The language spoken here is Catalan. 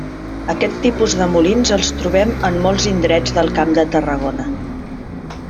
Aquest tipus de molins els trobem en molts indrets del Camp de Tarragona.